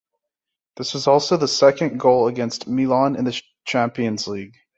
This was also his second goal against Milan in the Champions League.